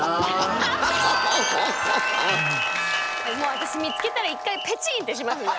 もう私見つけたら一回ペチンってしますね。